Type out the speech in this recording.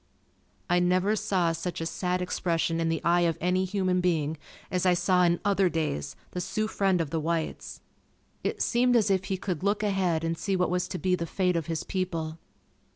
I never saw such a sad expression in the eye of any human being as I saw in "Otherdays" the Sioux friend of the whites. It seemed as if he could look ahead and see what was to be the fate of his people.